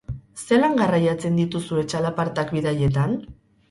Zelan garraiatzen dituzue txalapartak bidaietan?